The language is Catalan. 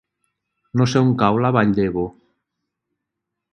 No sé on cau la Vall d'Ebo.